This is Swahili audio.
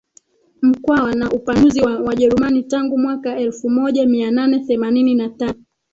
Mkwawa na upanuzi wa Wajerumani tangu mwaka elfu moja mia nane themanini na tano